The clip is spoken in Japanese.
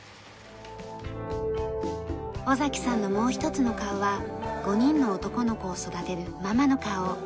尾さんのもう一つの顔は５人の男の子を育てるママの顔。